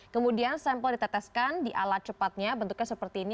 kemudian sampel diteteskan di alat cepatnya bentuknya seperti ini